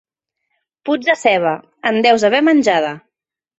Puts a ceba: en deus haver menjada.